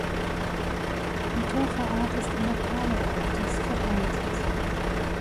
Die Käferart ist in der Paläarktis verbreitet.